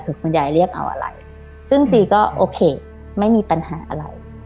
คือคุณยายเรียกเอาอะไรซึ่งจีก็โอเคไม่มีปัญหาอะไร